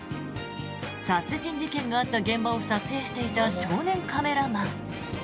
殺人事件があった現場を撮影していた少年カメラマン。